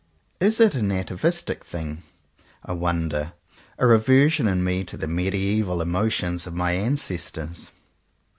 Is it an atavistic thing, I wonder; a rever sion in me to the mediaeval emotions of my ancestors?